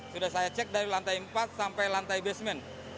sudah saya cek dari lantai empat sampai lantai basement